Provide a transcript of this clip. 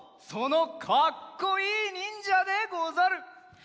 そのかっこいいにんじゃでござる！